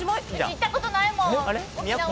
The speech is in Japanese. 行ったことないもん沖縄。